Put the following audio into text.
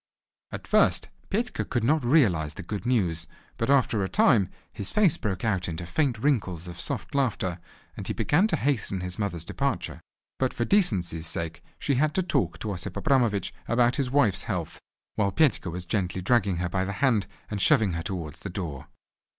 At first, Petka could not realize the good news, but after a time his face broke out into faint wrinkles of soft laughter, and he began to hasten his mother's departure. But for decency's sake she had to talk to Osip Abramovich about his wife's health, while Petka was gently dragging her by the hand and shoving her towards the door.